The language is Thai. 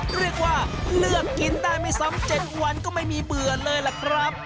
เรียกว่าเลือกกินได้ไม่ซ้ำ๗วันก็ไม่มีเบื่อเลยล่ะครับ